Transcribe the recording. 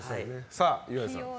さあ、岩井さん。